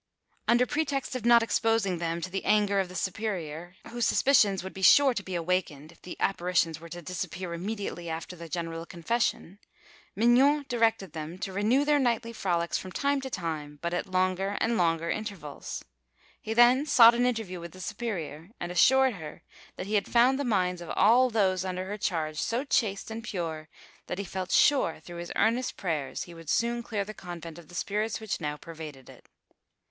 Under pretext of not exposing them to the anger of the superior, whose suspicions would be sure to be awakened if the apparitions were to disappear immediately after the general confession, Mignon directed them to renew their nightly frolics from time to time, but at longer and longer intervals. He then sought an interview with the superior, and assured her that he had found the minds of all those under her charge so chaste and pure that he felt sure through his earnest prayers he would soon clear the convent of the spirits which now pervaded it.